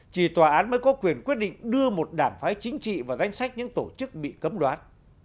thì tòa án mới có quyền quyết định đưa một đảng phái chính trị vào danh sách những tổ chức bị cấm đoán